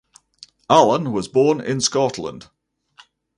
Allan was born in Scotland.